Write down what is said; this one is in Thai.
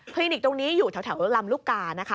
นิกตรงนี้อยู่แถวลำลูกกานะคะ